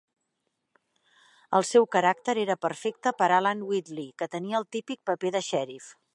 El seu caràcter era perfecte per Alan Wheatley, que tenia el típic paper de xèrif.